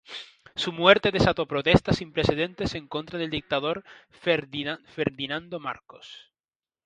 Su muerte desató protestas sin precedentes en contra del dictador Ferdinando Marcos.